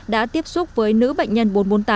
đã tiếp xúc với nữ bệnh nhân bốn trăm bốn mươi tám